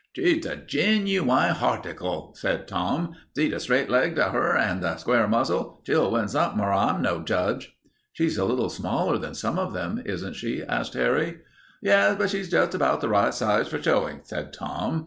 "She's the genooine harticle," said Tom. "See the straight legs of 'er an' the square muzzle. She'll win something, or I'm no judge." "She's a little smaller than some of them, isn't she?" asked Harry. "Yes, but she's just about the right size for showing," said Tom.